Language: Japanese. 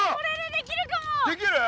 できる？